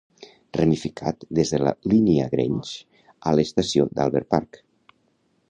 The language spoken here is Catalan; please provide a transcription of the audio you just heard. Ramificat des de la línia Grange a l'estació d'Albert Park.